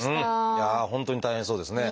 いやあ本当に大変そうですね。